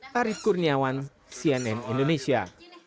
tarif kurniawan cnn indonesia